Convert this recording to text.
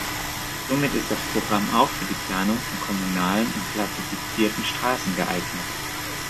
Somit ist das Programm auch für die Planung von kommunalen und klassifizierten Straßen geeignet.